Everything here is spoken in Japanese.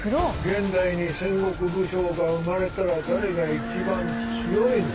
現代に戦国武将が生まれたら誰が一番強いのか？